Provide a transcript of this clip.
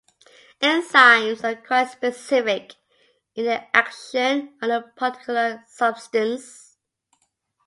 Enzymes are quite specific in their action on a particular substance.